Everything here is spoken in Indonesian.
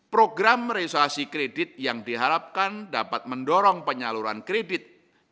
program resuasi kredit yang diharapkan dapat mendorong penyaluran kredit